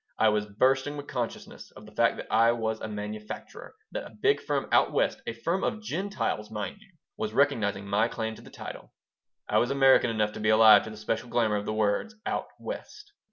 I was bursting with consciousness of the fact that I was a manufacturer that a big firm out West (a firm of Gentiles, mind you!) was recognizing my claim to the title. I was American enough to be alive to the special glamour of the words, "out West."